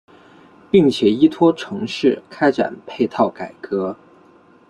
并且依托城市开展配套改革。